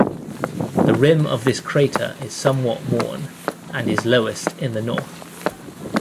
The rim of this crater is somewhat worn, and is lowest in the north.